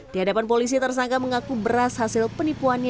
di hadapan polisi tersangka mengaku beras hasil penipuannya